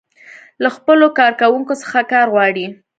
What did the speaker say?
له خپلو کارکوونکو څخه کار غواړي.